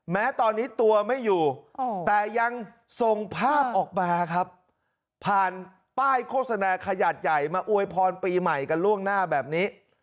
แม้ตอนนี้ตัวไม่อยู่แต่ยังส่งภาพออกมาครับผ่านป้ายโฆษณาขนาดใหญ่มาอวยพรปีใหม่กันล่วงหน้าแบบนี้